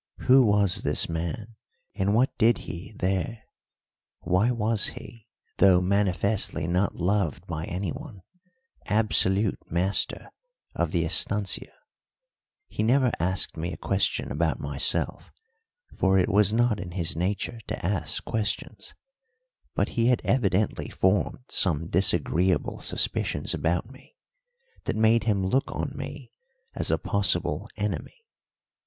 Who was this man, and what did he there? Why was he, though manifestly not loved by anyone, absolute master of the estancia? He never asked me a question about myself, for it was not in his nature to ask questions, but he had evidently formed some disagreeable suspicions about me that made him look on me as a possible enemy.